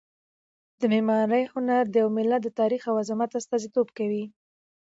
د معمارۍ هنر د یو ملت د تاریخ او عظمت استازیتوب کوي.